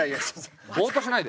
ボーっとしないで。